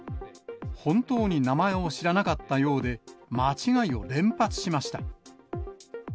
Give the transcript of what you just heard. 本当に名前を知らなかったようで、間違いを連発しました。